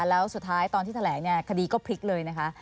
แล้วสุดท้ายตอนที่แถลงเนี่ยคดีก็พลิกเลยนะคะ